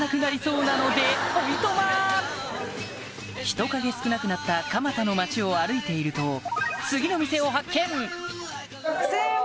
人影少なくなった蒲田の街を歩いていると次の店を発見！